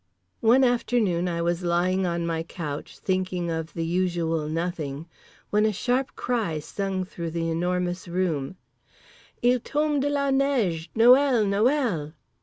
One afternoon I was lying on my couch, thinking of the usual Nothing, when a sharp cry sung through The Enormous Room: "_Il tombe de la neige—Noël! Noël!